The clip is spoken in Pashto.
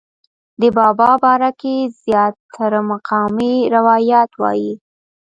د بابا باره کښې زيات تره مقامي روايات وائي